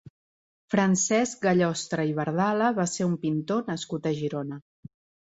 Francesc Gallostra i Verdala va ser un pintor nascut a Girona.